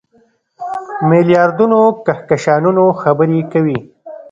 میلیاردونو کهکشانونو خبرې کوي.